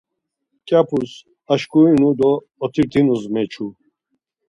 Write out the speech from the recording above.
Mǩyapus aşkurinu do otirtinus meçu.